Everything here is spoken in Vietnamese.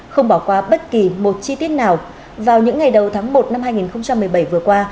không bỏ qua bất kỳ một chi tiết nào vào những ngày đầu tháng một năm hai nghìn một mươi bảy vừa qua